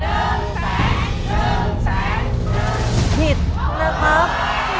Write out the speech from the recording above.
ต้องเลือกเพิ่ม